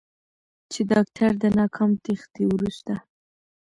چې داکتر د ناکام تېښتې وروسته